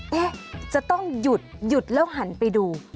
เอ๊ะจะต้องหยุดหยุดแล้วหันไปดู